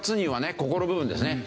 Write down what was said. ここの部分ですね。